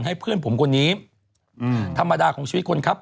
ให้เพื่อนผมคนนี้ธรรมดาของชีวิตคนครับ